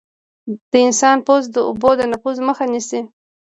د انسان پوست د اوبو د نفوذ مخه نیسي.